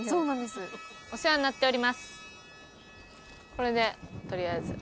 これでとりあえず。